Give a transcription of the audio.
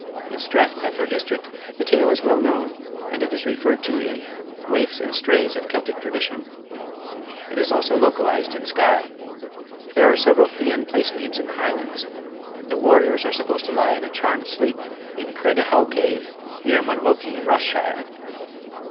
In Strathpeffer district the tale is well known, and it is referred to in "Waifs and Strays of Celtic Tradition." It is also localised in Skye. There are several Fian place names in the Highlands. The warriors are supposed to lie in a charmed sleep in Craig a howe Cave, near Munlochy, Ross shire.